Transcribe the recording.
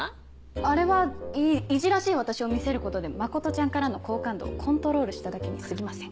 あれはいじらしい私を見せることで真ちゃんからの好感度をコントロールしただけにすぎません。